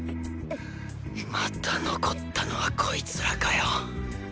また残ったのはこいつらかよ